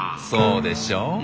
そうでしょう？